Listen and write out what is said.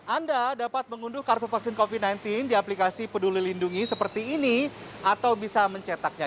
anda dapat mengunduh kartu vaksin covid sembilan belas di aplikasi peduli lindungi seperti ini atau bisa mencetaknya